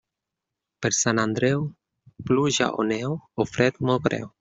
Per Sant Andreu, pluja o neu o fred molt greu.